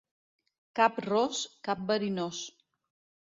Cap ros, cap verinós.